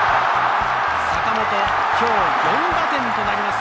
坂本、今日４打点となります。